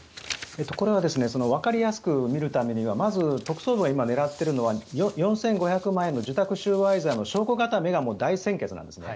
これはわかりやすく見るためにはまず、特捜部が今狙っているのは４５００万円の受託収賄罪の証拠固めが大先決なんです。